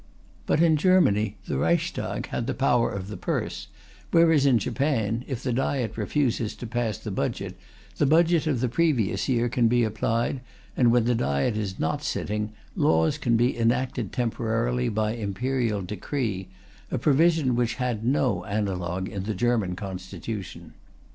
But in Germany the Reichstag had the power of the purse, whereas in Japan, if the Diet refuses to pass the Budget, the Budget of the previous year can be applied, and when the Diet is not sitting, laws can be enacted temporarily by Imperial decree a provision which had no analogue in the German Constitution.